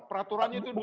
peraturannya itu dulu